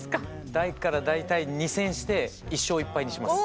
だから大体２戦して１勝１敗にします。